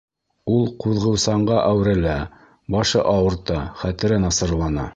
Ул ҡуҙғыусанға әүерелә, башы ауырта, хәтере насарлана.